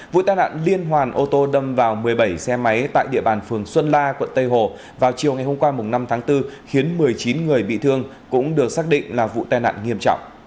vụ tai nạn liên hoàn ô tô đâm vào một mươi bảy xe máy tại địa bàn phường xuân la quận tây hồ vào chiều ngày hôm qua năm tháng bốn khiến một mươi chín người bị thương cũng được xác định là vụ tai nạn nghiêm trọng